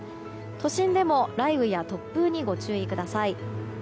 都心でも雷雨や突風にご注意ください。